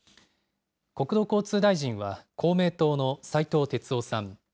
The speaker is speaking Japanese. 国土交通大臣は公明党の斉藤鉄夫さん。